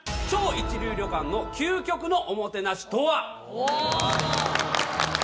超一流旅館の究極のおもてなしとは。